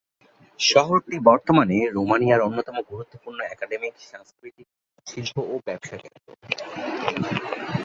শহরটি বর্তমানে রোমানিয়ার অন্যতম গুরুত্বপূর্ণ একাডেমিক, সাংস্কৃতিক, শিল্প ও ব্যবসা কেন্দ্র।